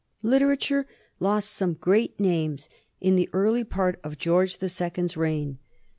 Literature lo3t some great names in the early part of Greorge the Second's reign.